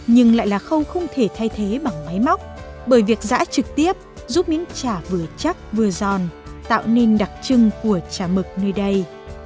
nhưng lại là không thể thay thế bằng máy móc bởi việc giã trực tiếp giúp miếng chả vừa chắc vừa giòn tạo nên đặc trưng của chả mực nơi đây